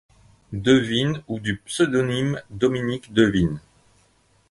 Devine ou du pseudonyme Dominic Devine.